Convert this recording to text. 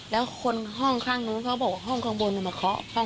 และคนห้องข้างนู้นเขาก็บอกว่าห้องข้างบนมันมาข้อห้องปลาก